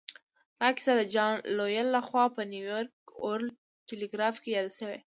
دا کیسه د جان لویل لهخوا په نیویارک ورلډ ټیليګراف کې یاده شوې